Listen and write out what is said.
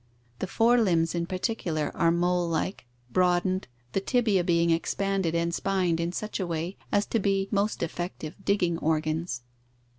The fore limbs in particular are molelike, broadened, the tibiae being expanded and spined in such a way as to be most effective digging organs.